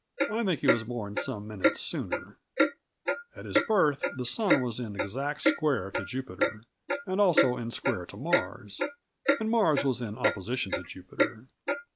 I think he was born some minutes sooner. At his birth the Sun was in exact Square to Jupiter, and also in Square to Mars, and Mars was in Opposition to Jupiter.